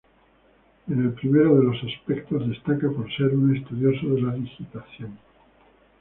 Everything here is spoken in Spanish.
En el primero de los aspectos destaca por ser un estudioso de la digitación.